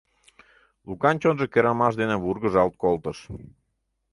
Лукан чонжо кӧранымаш дене вургыжалт колтыш.